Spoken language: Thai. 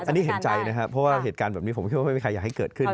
อันนี้เห็นใจนะครับเพราะว่าเหตุการณ์แบบนี้ผมคิดว่าไม่มีใครอยากให้เกิดขึ้น